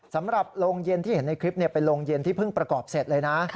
สำหรับโรงเย็นที่เห็นในคลิปเป็นโรงเย็นที่เพิ่งประกอบเสร็จเลยนะ